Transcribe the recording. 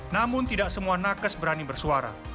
namun tidak semua nakes berani bersuara